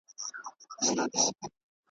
ګیله له خپلو کېږي